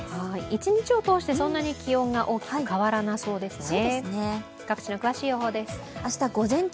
一日を通して気温は大きく変わらなそうですね。